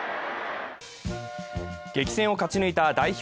激戦を勝ち抜いた代表